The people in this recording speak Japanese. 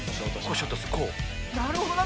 なるほど。